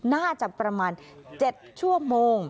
น่าจะประมาณ๗ชั่วโมง